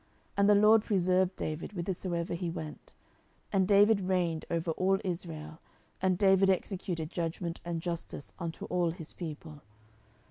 And the LORD preserved David whithersoever he went. 10:008:015 And David reigned over all Israel; and David executed judgment and justice unto all his people.